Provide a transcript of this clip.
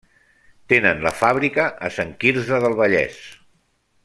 Tenen la fàbrica a Sant Quirze del Vallès.